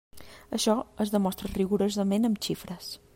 Això es demostra rigorosament amb xifres.